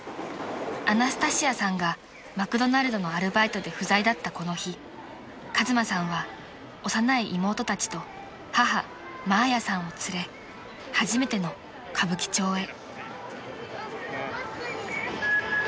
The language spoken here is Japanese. ［アナスタシアさんがマクドナルドのアルバイトで不在だったこの日和真さんは幼い妹たちと母マーヤさんを連れ初めての歌舞伎町へ］